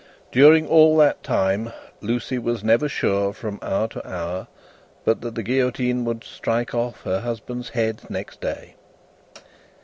During all that time Lucie was never sure, from hour to hour, but that the Guillotine would strike off her husband's head next day.